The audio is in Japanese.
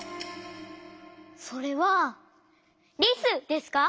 それはリスですか？